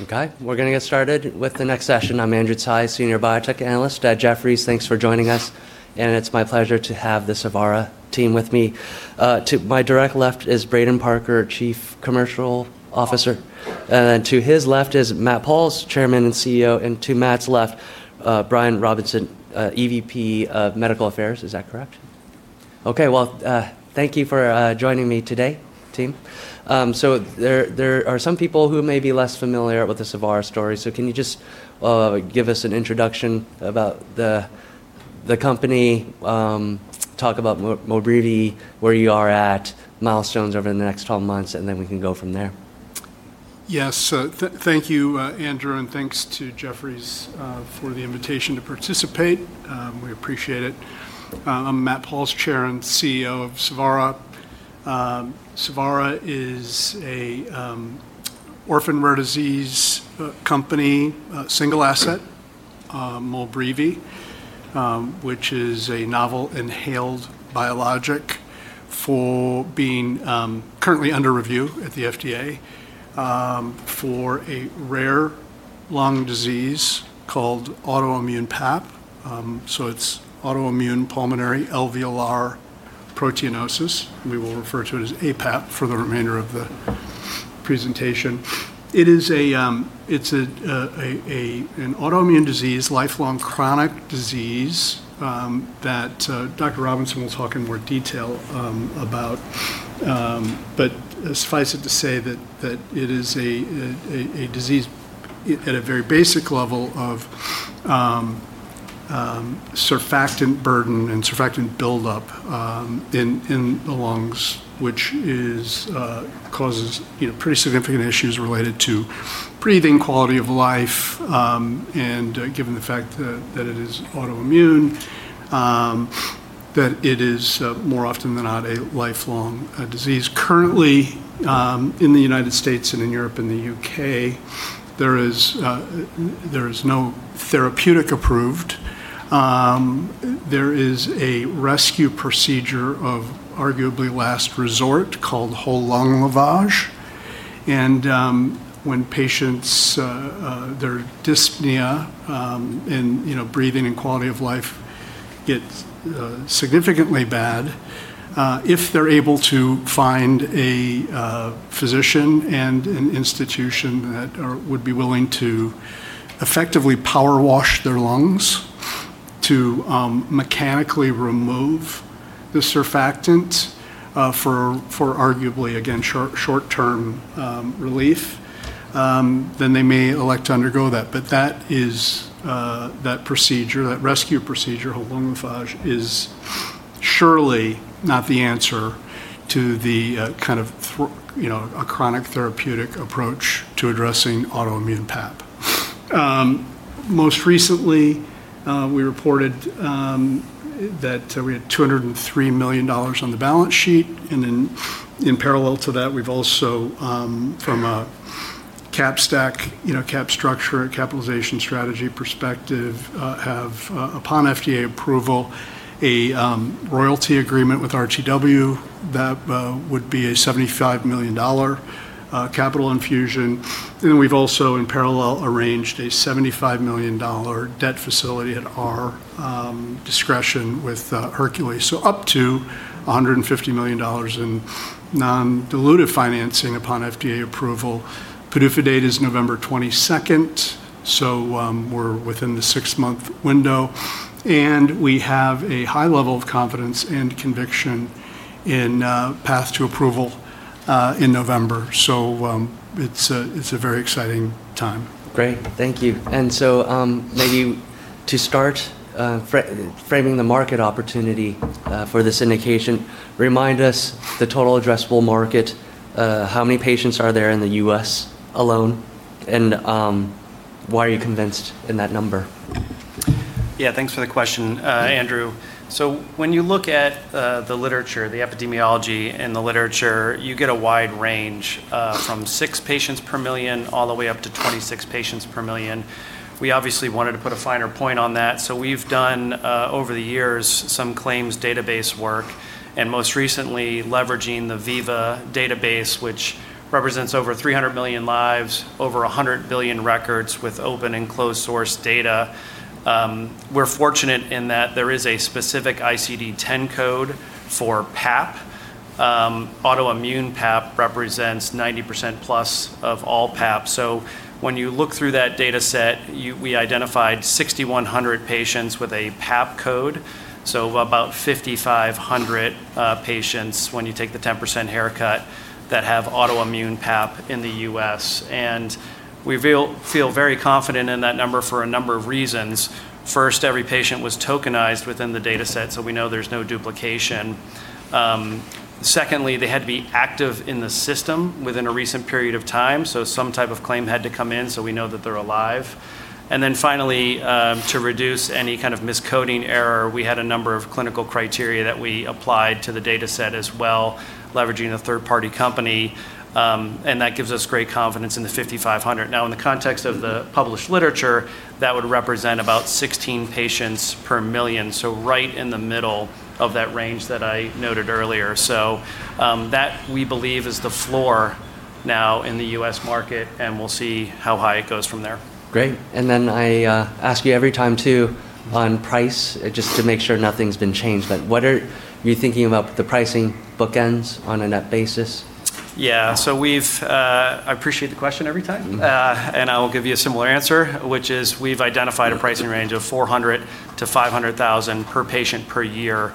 Okay. We're going to get started with the next session. I'm Andrew Tsai, Senior Biotech Analyst at Jefferies. Thanks for joining us, and it's my pleasure to have the Savara team with me. To my direct left is Braden Parker, Chief Commercial Officer, then to his left is Matt Pauls, Chairman and CEO, and to Matt's left, Brian Robinson, Executive Vice President, Global Medical Affairs. Is that correct? Thank you for joining me today, team. There are some people who may be less familiar with the Savara story, so can you just give us an introduction about the company, talk about MOLBREEVI, where you are at, milestones over the next 12 months, and then we can go from there. Yes. Thank you, Andrew, and thanks to Jefferies for the invitation to participate. We appreciate it. I'm Matt Pauls, Chair and CEO of Savara. Savara is a orphan rare disease company, single asset, MOLBREEVI, which is a novel inhaled biologic for being currently under review at the FDA, for a rare lung disease called autoimmune PAP. It's autoimmune pulmonary alveolar proteinosis. We will refer to it as APAP for the remainder of the presentation. It's an autoimmune disease, lifelong chronic disease, that Dr. Robinson will talk in more detail about. Suffice it to say that it is a disease at a very basic level of surfactant burden and surfactant buildup in the lungs, which causes pretty significant issues related to breathing, quality of life, and given the fact that it is autoimmune, that it is more often than not a lifelong disease. Currently, in the U.S. and in Europe and the U.K., there is no therapeutic approved. There is a rescue procedure of arguably last resort called whole lung lavage, and when patients, their dyspnea and breathing and quality of life get significantly bad, if they're able to find a physician and an institution that would be willing to effectively power wash their lungs to mechanically remove the surfactant for arguably, again, short-term relief, then they may elect to undergo that. That rescue procedure, whole lung lavage, is surely not the answer to a chronic therapeutic approach to addressing autoimmune PAP. Most recently, we reported that we had $203 million on the balance sheet, and in parallel to that, we've also, from a cap stack, cap structure, capitalization strategy perspective, have, upon FDA approval, a royalty agreement with RTW that would be a $75 million capital infusion. We've also, in parallel, arranged a $75 million debt facility at our discretion with Hercules. Up to $150 million in non-dilutive financing upon FDA approval. PDUFA date is November 22nd, so we're within the six-month window. We have a high level of confidence and conviction in path to approval in November. It's a very exciting time. Great. Thank you. Maybe to start framing the market opportunity for this indication, remind us the total addressable market, how many patients are there in the U.S. alone, and why are you convinced in that number? Yeah. Thanks for the question, Andrew. When you look at the literature, the epidemiology and the literature, you get a wide range, from six patients per million all the way up to 26 patients per million. We obviously wanted to put a finer point on that, so we've done, over the years, some claims database work, and most recently leveraging the Veeva database, which represents over 300 million lives, over 100 billion records with open and closed source data. We're fortunate in that there is a specific ICD-10 code for PAP. Autoimmune PAP represents 90%+ of all PAP. When you look through that data set, we identified 6,100 patients with a PAP code, so about 5,500 patients when you take the 10% haircut that have autoimmune PAP in the U.S. We feel very confident in that number for a number of reasons. First, every patient was tokenized within the data set, so we know there's no duplication. Secondly, they had to be active in the system within a recent period of time, so some type of claim had to come in, so we know that they're alive. Finally, to reduce any kind of miscoding error, we had a number of clinical criteria that we applied to the data set as well, leveraging a third-party company, and that gives us great confidence in the 5,500. Now, in the context of the published literature, that would represent about 16 patients per million, so right in the middle of that range that I noted earlier. That, we believe, is the floor. Now in the U.S. market, and we'll see how high it goes from there. Great. I ask you every time too, on price, just to make sure nothing's been changed. What are you thinking about the pricing bookends on a net basis? Yeah. I appreciate the question every time. I will give you a similar answer, which is we've identified a pricing range of $400,000-$500,000 per patient per year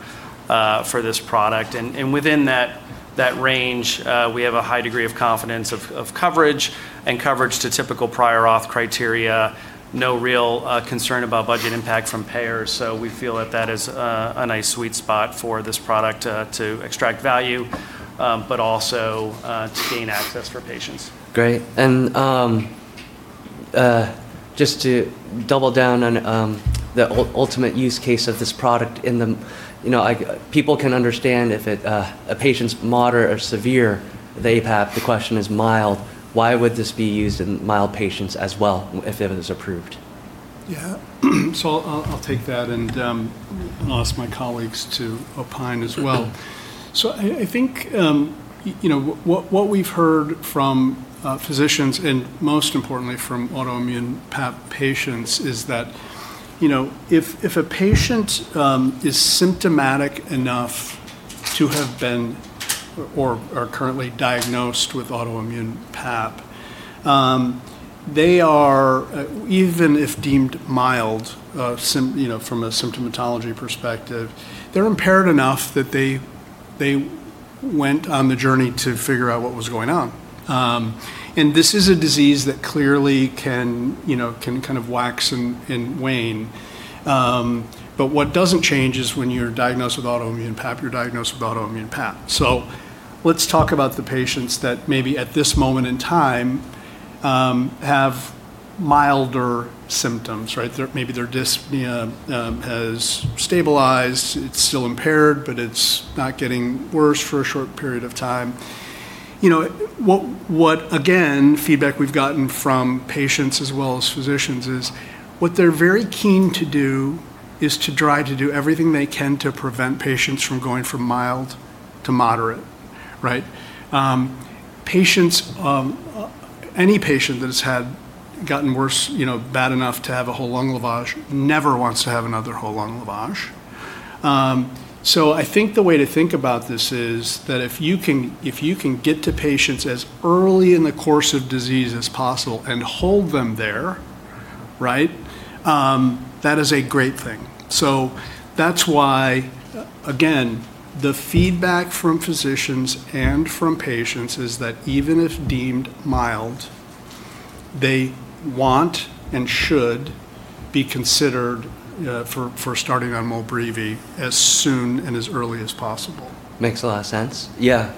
for this product. Within that range, we have a high degree of confidence of coverage and coverage to typical prior authorization criteria. No real concern about budget impact from payers. We feel that that is a nice sweet spot for this product to extract value, but also to gain access for patients. Great. Just to double down on the ultimate use case of this product. People can understand if a patient's moderate or severe, they PAP. The question is mild. Why would this be used in mild patients as well if it was approved? Yeah. I'll take that, and I'll ask my colleagues to opine as well. I think what we've heard from physicians, and most importantly from autoimmune PAP patients, is that if a patient is symptomatic enough to have been or are currently diagnosed with autoimmune PAP, even if deemed mild from a symptomatology perspective, they're impaired enough that they went on the journey to figure out what was going on. This is a disease that clearly can kind of wax and wane. What doesn't change is when you're diagnosed with autoimmune PAP, you're diagnosed with autoimmune PAP. Let's talk about the patients that maybe at this moment in time have milder symptoms, right? Maybe their dyspnea has stabilized. It's still impaired, but it's not getting worse for a short period of time. What, again, feedback we've gotten from patients as well as physicians is what they're very keen to do is to try to do everything they can to prevent patients from going from mild to moderate. Right? Any patient that has gotten worse, bad enough to have a whole lung lavage, never wants to have another whole lung lavage. I think the way to think about this is that if you can get to patients as early in the course of disease as possible and hold them there, that is a great thing. That's why, again, the feedback from physicians and from patients is that even if deemed mild, they want and should be considered for starting on MOLBREEVI as soon and as early as possible. Makes a lot of sense. Yeah.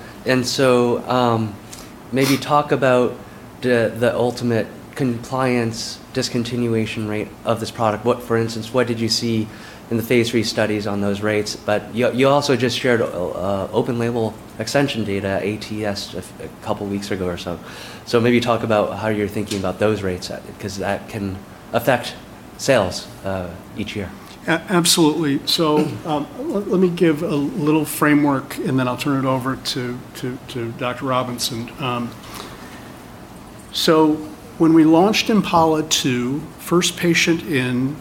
Maybe talk about the ultimate compliance discontinuation rate of this product. For instance, what did you see in the phase III studies on those rates? You also just shared open-label extension data at ATS a couple of weeks ago or so. Maybe talk about how you're thinking about those rates, because that can affect sales each year. Absolutely. Let me give a little framework, and then I'll turn it over to Dr. Robinson. When we launched IMPALA-2, first patient in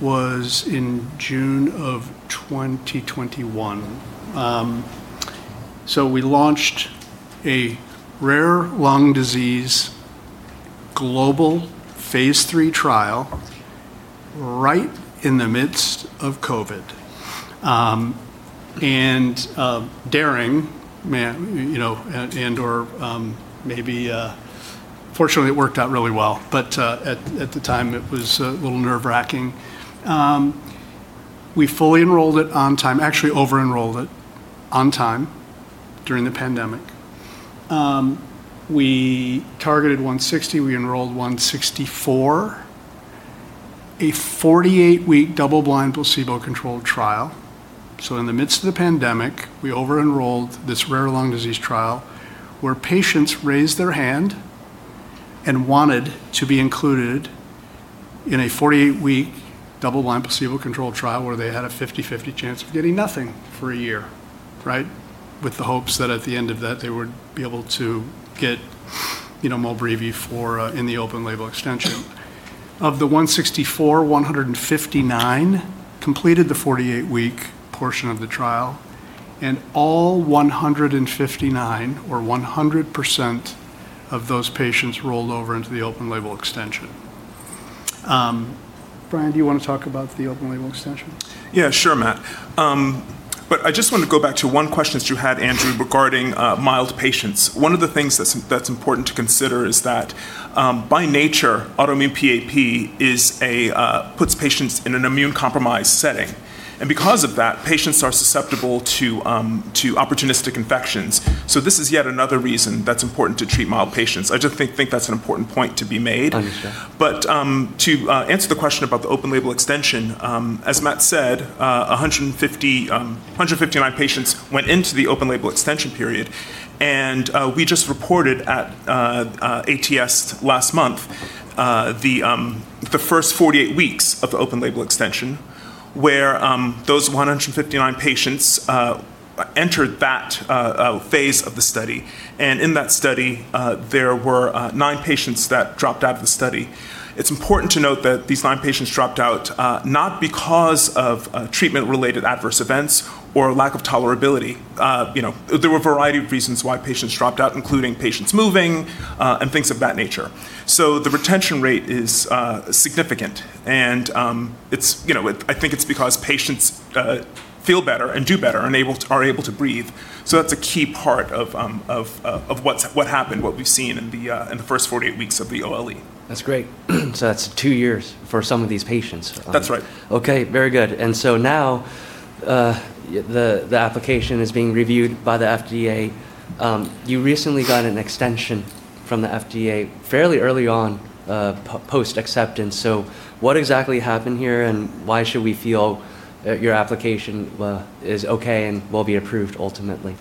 was in June of 2021. We launched a rare lung disease global phase III trial right in the midst of COVID. Daring, and/or maybe fortunately, it worked out really well. At the time, it was a little nerve-wracking. We fully enrolled it on time, actually over-enrolled it on time during the pandemic. We targeted 160. We enrolled 164. A 48-week double-blind placebo-controlled trial. In the midst of the pandemic, we over-enrolled this rare lung disease trial where patients raised their hand and wanted to be included in a 48-week double-blind placebo-controlled trial where they had a 50/50 chance of getting nothing for a year. Right? With the hopes that at the end of that, they would be able to get MOLBREEVI in the open-label extension. Of the 164, 159 completed the 48-week portion of the trial, all 159 or 100% of those patients rolled over into the open-label extension. Brian, do you want to talk about the open-label extension? Yeah, sure, Matt. I just want to go back to one question that you had, Andrew, regarding mild patients. One of the things that's important to consider is that by nature, autoimmune PAP puts patients in an immune-compromised setting. Because of that, patients are susceptible to opportunistic infections. This is yet another reason that's important to treat mild patients. I just think that's an important point to be made. Understood. To answer the question about the open-label extension, as Matt said, 159 patients went into the open-label extension period. We just reported at ATS last month the first 48 weeks of the open-label extension, where those 159 patients entered that phase of the study. In that study, there were nine patients that dropped out of the study. It's important to note that these nine patients dropped out not because of treatment-related adverse events or lack of tolerability. There were a variety of reasons why patients dropped out, including patients moving, and things of that nature. The retention rate is significant, and I think it's because patients feel better and do better, and are able to breathe. That's a key part of what happened, what we've seen in the first 48 weeks of the OLE. That's great. That's two years for some of these patients. That's right. Okay, very good. Now, the application is being reviewed by the FDA. You recently got an extension from the FDA fairly early on post-acceptance. What exactly happened here, and why should we feel that your application is okay and will be approved ultimately?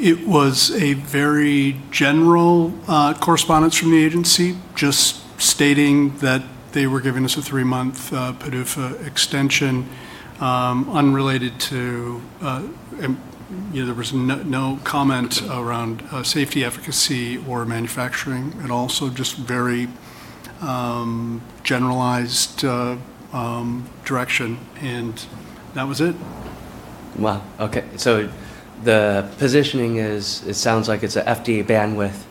It was a very general correspondence from the agency, just stating that they were giving us a three-month PDUFA extension. There was no comment around safety, efficacy, or manufacturing. Also just very generalized direction, and that was it. Wow, okay. The positioning is, it sounds like it's a FDA bandwidth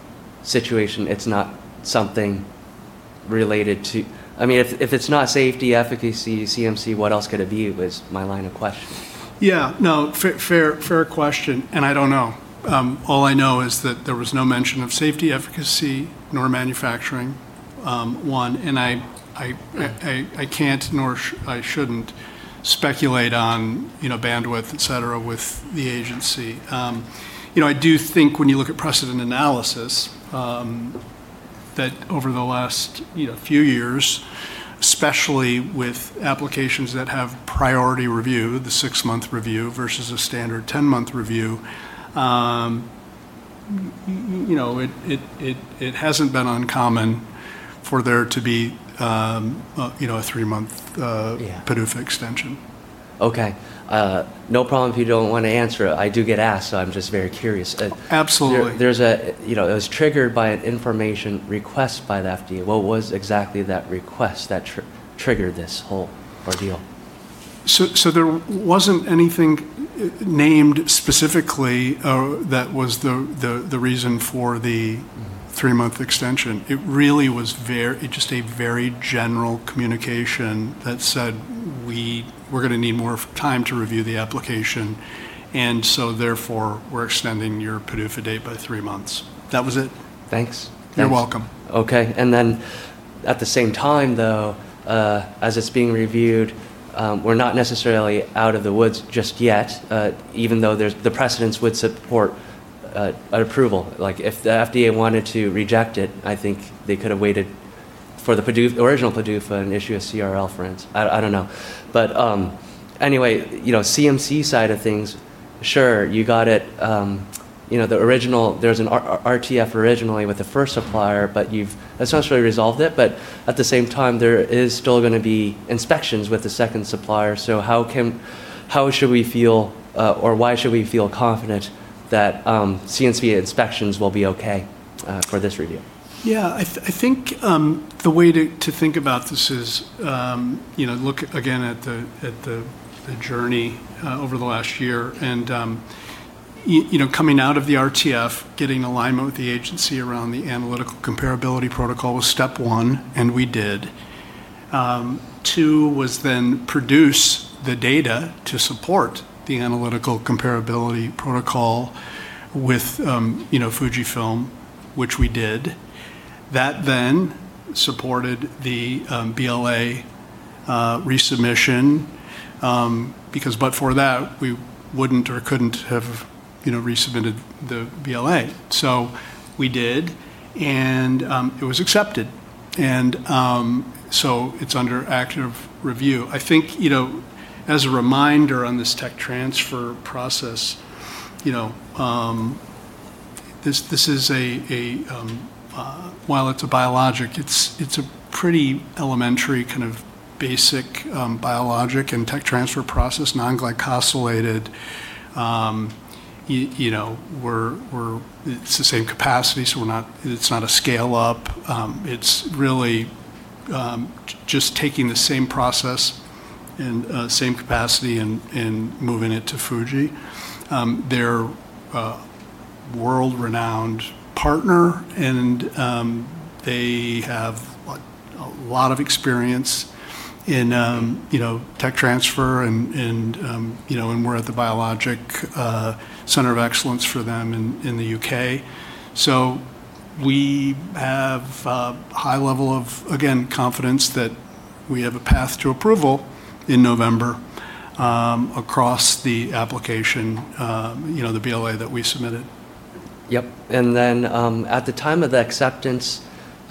situation. It's not something related to If it's not safety, efficacy, CMC, what else could it be? Is my line of questioning. Yeah, no. Fair question. I don't know. All I know is that there was no mention of safety, efficacy, nor manufacturing, one, I can't, nor I shouldn't speculate on bandwidth, et cetera, with the agency. I do think when you look at precedent analysis, that over the last few years, especially with applications that have Priority Review, the six-month review versus a standard 10-month review, it hasn't been uncommon for there to be a three-month- Yeah PDUFA extension. Okay. No problem if you don't want to answer it. I do get asked, so I'm just very curious. Absolutely. It was triggered by an information request by the FDA. What was exactly that request that triggered this whole ordeal? There wasn't anything named specifically that was the reason for the three-month extension. It really was just a very general communication that said, "We're going to need more time to review the application, and so therefore, we're extending your PDUFA date by three months." That was it. Thanks. You're welcome. Okay. At the same time though, as it's being reviewed, we're not necessarily out of the woods just yet, even though the precedents would support an approval. Like if the FDA wanted to reject it, I think they could've waited for the original PDUFA and issue a CRL for instance. I don't know. Anyway, CMC side of things, sure, you got it. There was an RTF originally with the first supplier, but you've essentially resolved it, at the same time, there is still going to be inspections with the second supplier. How should we feel, or why should we feel confident that CMC inspections will be okay for this review? Yeah. I think the way to think about this is look again at the journey over the last year, coming out of the RTF, getting alignment with the agency around the analytical comparability protocol was step one. We did. Two was then produce the data to support the analytical comparability protocol with Fujifilm, which we did. That then supported the BLA resubmission, because but for that, we wouldn't or couldn't have resubmitted the BLA. We did. It was accepted. It's under active review. I think as a reminder on this tech transfer process, while it's a biologic, it's a pretty elementary kind of basic biologic and tech transfer process, non-glycosylated. It's the same capacity. It's not a scale-up. It's really just taking the same process and same capacity and moving it to Fuji. They're a world-renowned partner, and they have a lot of experience in tech transfer, and we're at the biologic center of excellence for them in the U.K. We have a high level of, again, confidence that we have a path to approval in November across the application, the BLA that we submitted. Yep. Then, at the time of the acceptance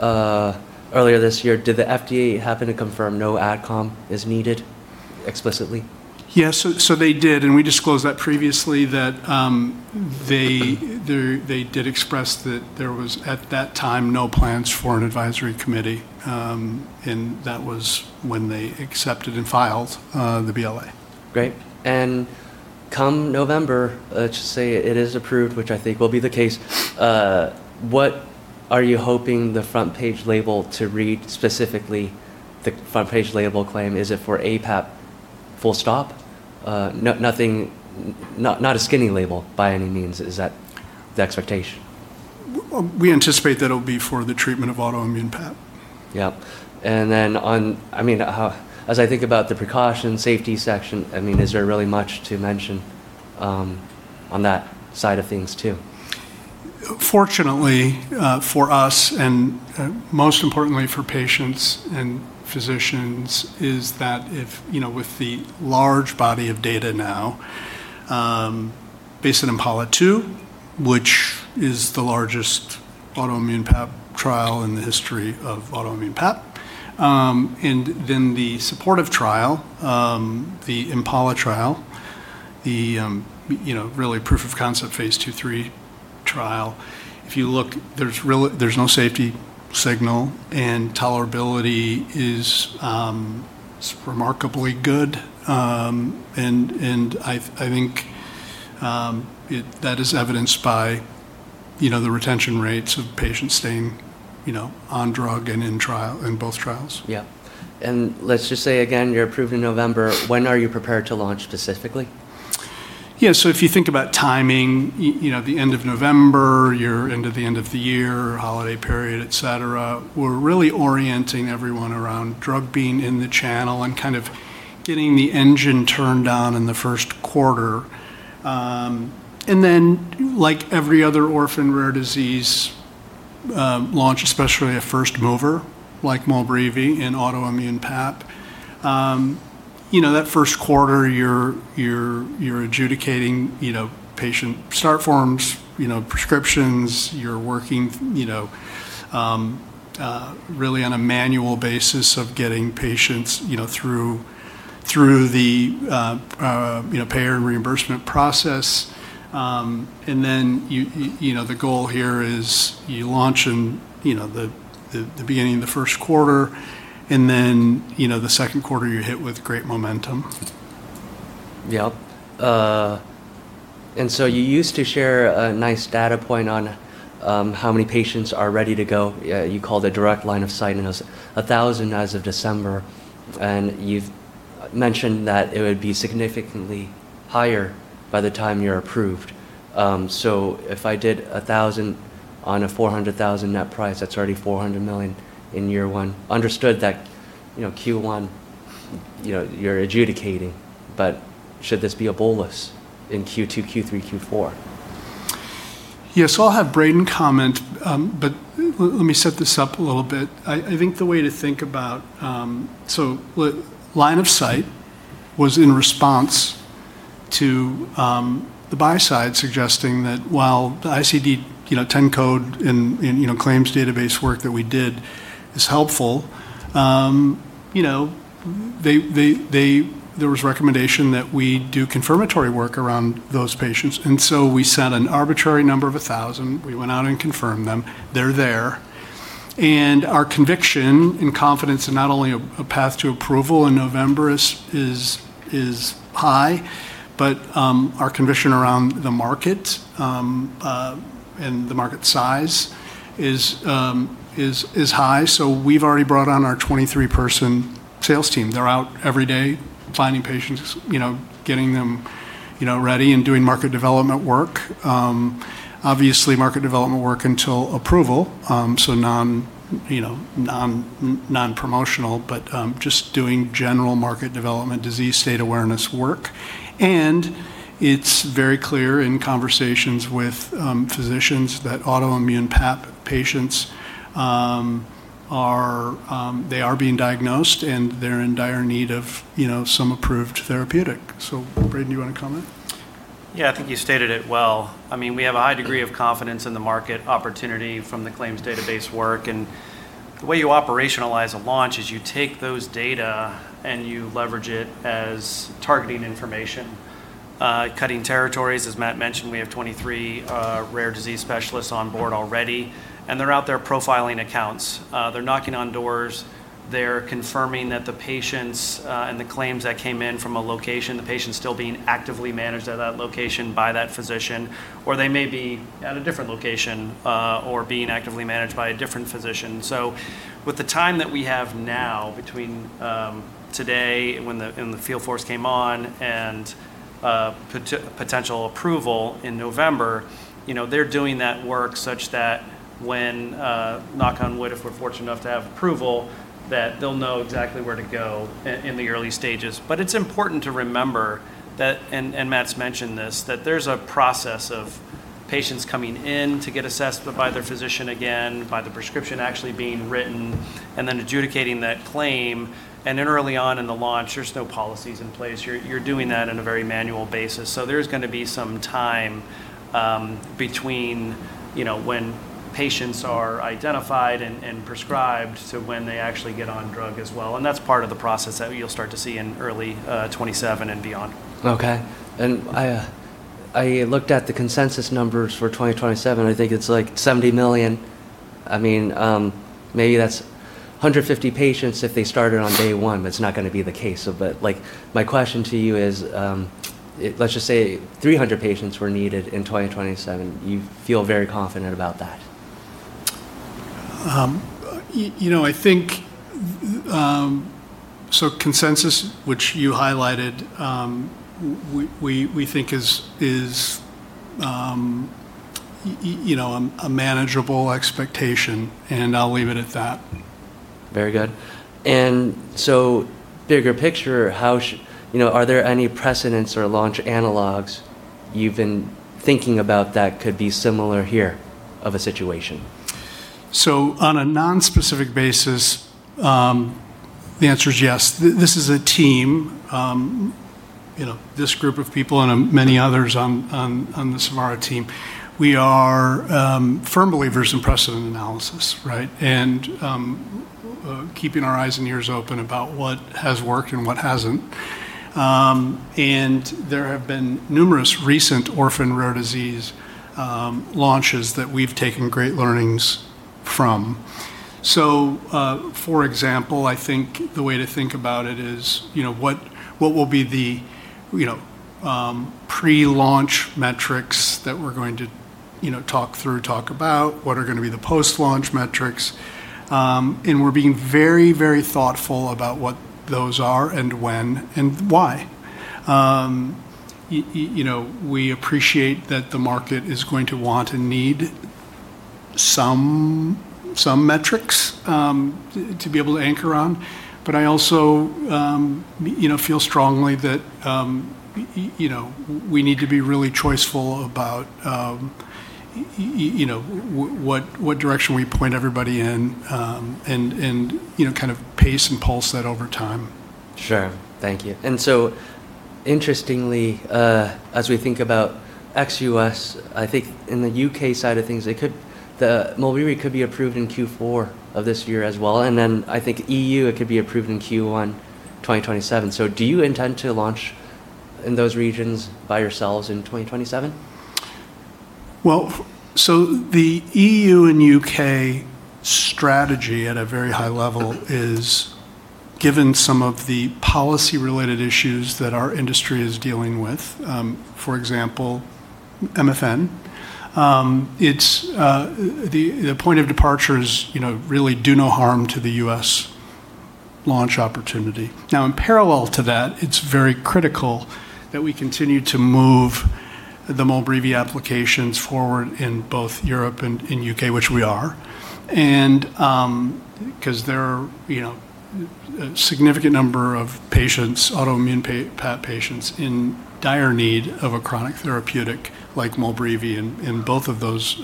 earlier this year, did the FDA happen to confirm no AdCom is needed explicitly? Yeah, they did, and we disclosed that previously that they did express that there was, at that time, no plans for an advisory committee, and that was when they accepted and filed the BLA. Great. Come November, let's just say it is approved, which I think will be the case, what are you hoping the front page label to read specifically? The front page label claim, is it for APAP, full stop? Not a skinny label by any means. Is that the expectation? We anticipate that it'll be for the treatment of autoimmune PAP. Yep. As I think about the precautions, safety section, is there really much to mention on that side of things too? Fortunately, for us, and most importantly for patients and physicians, is that with the large body of data now, based on IMPALA-2, which is the largest autoimmune PAP trial in the history of autoimmune PAP, and then the supportive trial, the IMPALA-2 trial, the really proof of concept phase II/III trial. If you look, there's no safety signal, and tolerability is remarkably good, and I think that is evidenced by the retention rates of patients staying on drug and in both trials. Yeah. Let's just say again, you're approved in November, when are you prepared to launch specifically? Yeah. If you think about timing, the end of November, you're into the end of the year, holiday period, et cetera. We're really orienting everyone around drug being in the channel and kind of getting the engine turned on in the first quarter. Like every other orphan rare disease launch, especially a first mover like MOLBREEVI in autoimmune PAP. That first quarter, you're adjudicating patient start forms, prescriptions, you're working really on a manual basis of getting patients through the payer and reimbursement process. The goal here is you launch in the beginning of the first quarter, and then the second quarter, you're hit with great momentum. Yep. You used to share a nice data point on how many patients are ready to go. You called it direct line of sight and it was 1,000 as of December. You've mentioned that it would be significantly higher by the time you're approved. If I did 1,000 on a $400,000 net price, that's already $400 million in year one. Understood that Q1, you're adjudicating. Should this be a bolus in Q2, Q3, Q4? Yeah. I'll have Braden comment, but let me set this up a little bit. I think the way to think about-- Line of sight was in response to the buy side suggesting that while the ICD-10 code and claims database work that we did is helpful, there was recommendation that we do confirmatory work around those patients. We set an arbitrary number of 1,000. We went out and confirmed them. They're there. Our conviction and confidence in not only a path to approval in November is high, but our conviction around the market, and the market size is high. We've already brought on our 23-person sales team. They're out every day finding patients, getting them ready, and doing market development work. Obviously, market development work until approval, so non-promotional, but just doing general market development, disease state awareness work. It's very clear in conversations with physicians that autoimmune PAP patients are being diagnosed, and they're in dire need of some approved therapeutic. Braden, do you want to comment? Yeah, I think you stated it well. We have a high degree of confidence in the market opportunity from the claims database work. The way you operationalize a launch is you take those data and you leverage it as targeting information, cutting territories. As Matt mentioned, we have 23 rare disease specialists on board already, and they're out there profiling accounts. They're knocking on doors. They're confirming that the patients and the claims that came in from a location, the patient's still being actively managed at that location by that physician, or they may be at a different location, or being actively managed by a different physician. With the time that we have now between today when the field force came on and potential approval in November, they're doing that work such that when, knock on wood, if we're fortunate enough to have approval, they'll know exactly where to go in the early stages. It's important to remember that, and Matt's mentioned this, that there's a process of patients coming in to get assessed by their physician again, by the prescription actually being written, and then adjudicating that claim. Early on in the launch, there's no policies in place. You're doing that on a very manual basis. There's going to be some time between when patients are identified and prescribed to when they actually get on drug as well. That's part of the process that you'll start to see in early 2027 and beyond. Okay. I looked at the consensus numbers for 2027. I think it's like $70 million. Maybe that's 150 patients if they started on day one, but it's not going to be the case. My question to you is, let's just say 300 patients were needed in 2027. You feel very confident about that? I think consensus, which you highlighted, we think is a manageable expectation, and I'll leave it at that. Very good. Bigger picture, are there any precedents or launch analogs you've been thinking about that could be similar here of a situation? On a non-specific basis, the answer is yes. This is a team, this group of people and many others on the Savara team. We are firm believers in precedent analysis, and keeping our eyes and ears open about what has worked and what hasn't. There have been numerous recent orphan rare disease launches that we've taken great learnings from. For example, I think the way to think about it is what will be the pre-launch metrics that we're going to talk through, talk about, what are going to be the post-launch metrics. We're being very thoughtful about what those are and when and why. We appreciate that the market is going to want and need some metrics to be able to anchor on. I also feel strongly that we need to be really choiceful about what direction we point everybody in, and pace and pulse that over time. Sure. Thank you. Interestingly, as we think about ex-U.S., I think in the U.K. side of things, the MOLBREEVI could be approved in Q4 of this year as well. I think EU, it could be approved in Q1 2027. Do you intend to launch in those regions by yourselves in 2027? The EU and U.K. strategy at a very high level is given some of the policy-related issues that our industry is dealing with, for example, MFN. The point of departure is really do no harm to the U.S. launch opportunity. In parallel to that, it's very critical that we continue to move the MOLBREEVI applications forward in both Europe and U.K., which we are, and because there are a significant number of autoimmune PAP patients in dire need of a chronic therapeutic like MOLBREEVI in both of those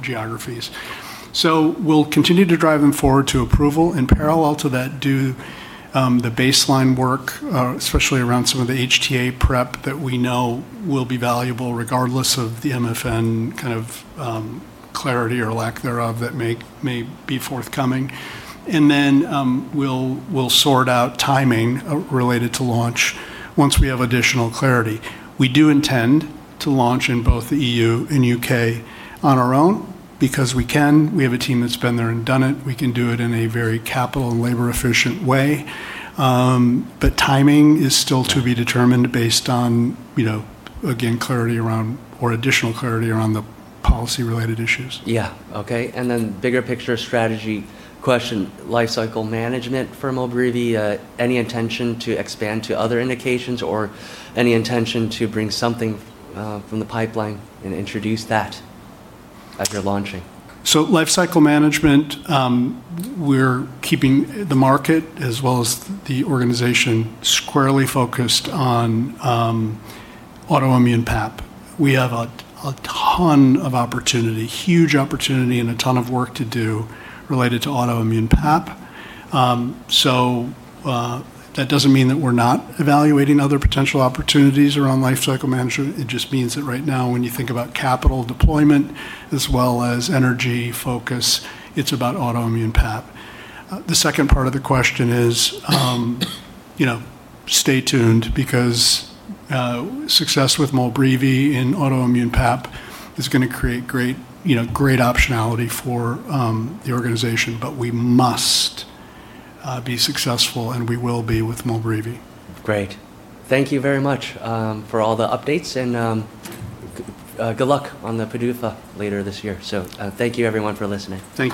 geographies. We'll continue to drive them forward to approval. In parallel to that, do the baseline work, especially around some of the HTA prep that we know will be valuable regardless of the MFN clarity or lack thereof that may be forthcoming. We'll sort out timing related to launch once we have additional clarity. We do intend to launch in both the EU and U.K. on our own, because we can. We have a team that's been there and done it. We can do it in a very capital and labor efficient way. Timing is still to be determined based on, again, clarity around or additional clarity around the policy related issues. Yeah. Okay. Bigger picture strategy question, life cycle management for MOLBREEVI. Any intention to expand to other indications or any intention to bring something from the pipeline and introduce that as you're launching? Life cycle management, we're keeping the market as well as the organization squarely focused on autoimmune PAP. We have a ton of opportunity, huge opportunity, and a ton of work to do related to autoimmune PAP. That doesn't mean that we're not evaluating other potential opportunities around life cycle management. It just means that right now, when you think about capital deployment as well as energy focus, it's about autoimmune PAP. The second part of the question is stay tuned because success with MOLBREEVI in autoimmune PAP is going to create great optionality for the organization. We must be successful, and we will be with MOLBREEVI. Great. Thank you very much for all the updates, and good luck on the PDUFA later this year. Thank you everyone for listening. Thank you.